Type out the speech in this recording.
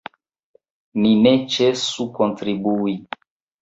Ni ne ĉesu kontribui.